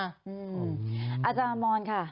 อเรนนี่อมค่ะ